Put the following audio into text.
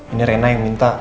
ini rena yang minta